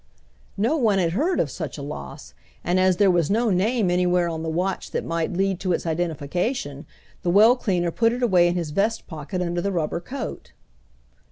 No one had heard of such a loss, and as there was no name anywhere on the watch that might lead to its identification, the well cleaner put it away in his vest pocket under the rubber coat.